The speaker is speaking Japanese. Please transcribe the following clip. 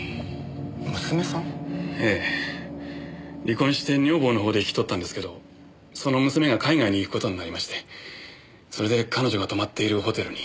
離婚して女房の方で引き取ったんですけどその娘が海外に行く事になりましてそれで彼女が泊まっているホテルに。